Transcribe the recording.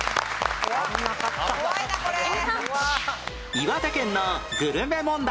岩手県のグルメ問題